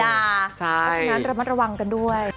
เพราะฉะนั้นระมัดระวังกันด้วย